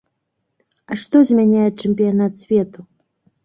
А што змяняе чэмпіянат свету?